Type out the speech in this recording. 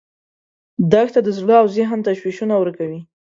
دښته د زړه او ذهن تشویشونه ورکوي.